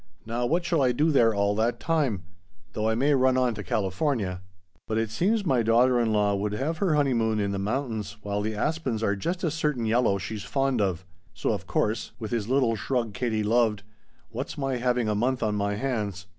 Now what shall I do there all that time? though I may run on to California. But it seems my daughter in law would have her honeymoon in the mountains while the aspens are just a certain yellow she's fond of. So of course" with his little shrug Katie loved "what's my having a month on my hands?"